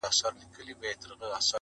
که بيا ژوندی شومه کامیاب به يمه